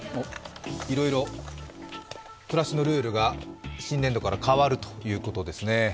いろいろ暮らしのルールが新年度から変わるということですね。